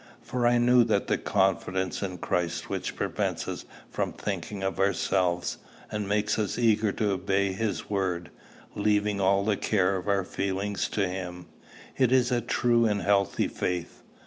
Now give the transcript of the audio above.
For I knew that the confidence in Christ which prevents us from thinking of ourselves, and makes us eager to obey his word, leaving all the care of our feelings to him, is a true and healthy faith.